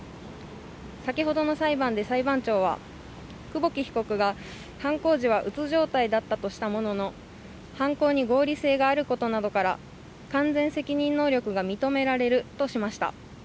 先ほどの裁判で裁判長は久保木被告が犯行時は、うつ状態だったとしたものの、犯行に合理性があることなどから完全責任能力が認められるとしました。